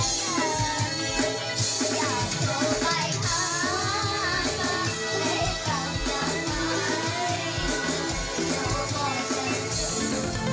โปรดติดตามตอนต่อไป